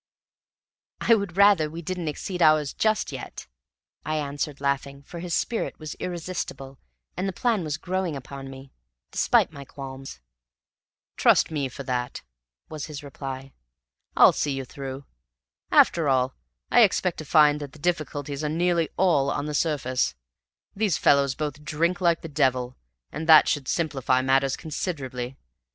"I would rather we didn't exceed ours just yet," I answered laughing, for his spirit was irresistible, and the plan was growing upon me, despite my qualms. "Trust me for that," was his reply; "I'll see you through. After all I expect to find that the difficulties are nearly all on the surface. These fellows both drink like the devil, and that should simplify matters considerably.